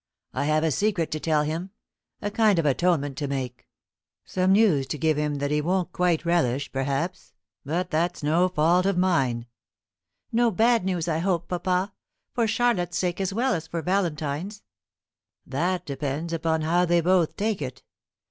I have a secret to tell him a kind of atonement to make; some news to give him that he won't quite relish, perhaps. But that's no fault of mine." "No bad news, I hope, papa; for Charlotte's sake as well as for Valentine's." "That depends upon how they both take it.